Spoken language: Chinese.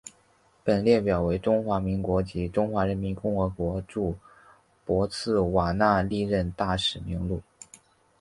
本列表为中华民国及中华人民共和国驻博茨瓦纳历任大使名录。